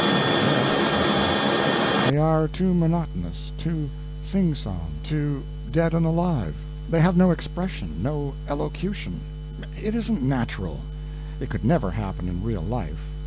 "Yes," I said; "they are too monotonous, too singsong, to dead and alive; they have no expression, no elocution. It isn't natural; it could never happen in real life.